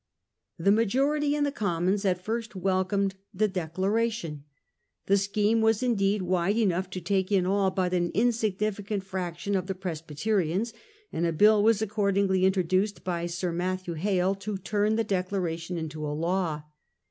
The majority in the Commons at first welcomed the Declaration. The scheme was indeed wide enough to take in all but an insignificant fraction of the Presbyte rians, and a bill was accordingly introduced by Sir Mat thew Hale to turn the Declaration into a law.